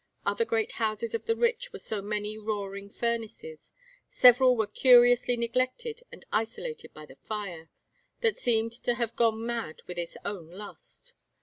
Other great houses of the rich were so many roaring furnaces several were curiously neglected and isolated by the fire, that seemed to have gone mad with its own lust.